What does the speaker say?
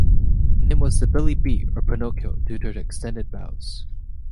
Her nickname was "The Billy B" or "Pinocchio", due to her extended bows.